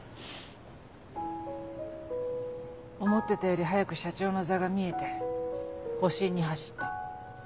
思ってたより早く社長の座が見えて保身に走った。